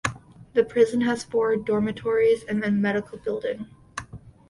The prison has four dormitories and a medical building.